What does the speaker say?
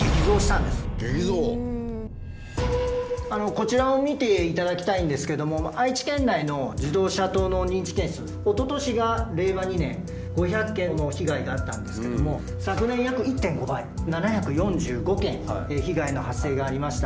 こちらを見ていただきたいんですけども愛知県内の自動車盗の認知件数おととしが令和２年５００件の被害があったんですけれども昨年約１．５倍７４５件被害の発生がありました。